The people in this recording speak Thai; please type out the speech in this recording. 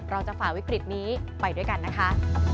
ฝ่าวิกฤตนี้ไปด้วยกันนะคะ